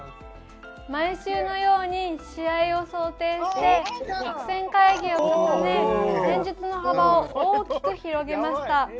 毎週のように試合を想定して作戦会議を重ね戦術の幅を大きく広げました。